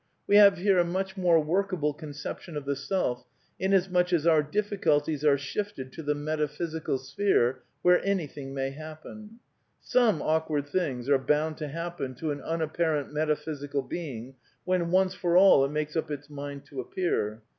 We have here a much more workable conception of the self) inasmuch as our difficulties are shifted to the metaphysical sphere where anyth ing may happen. Some awkward things are boiind to JiappeiI"TO an' unapparent metaphysical being when once for all it makes up its mind to appear.